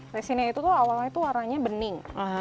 resinnya itu tuh awalnya tuh warnanya bening